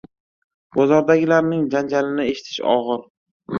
– bozordagilarning janjalini eshitish og'ir;